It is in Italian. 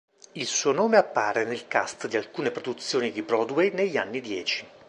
Il suo nome appare nel cast di alcune produzioni di Broadway degli anni dieci.